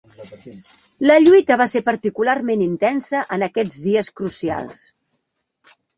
La lluita va ser particularment intensa en aquests dies crucials.